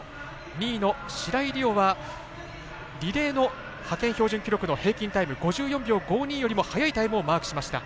２位の白井璃緒はリレーの派遣標準記録の平均タイム５４秒５２よりも早いタイムをマークしました。